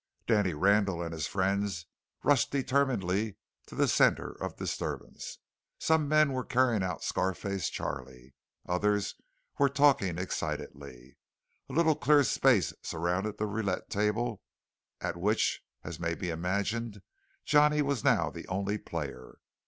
Danny Randall and his friends rushed determinedly to the centre of disturbance. Some men were carrying out Scar face Charley. Others were talking excitedly. A little clear space surrounded the roulette table, at which, as may be imagined, Johnny was now the only player.